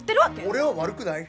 俺は悪くない。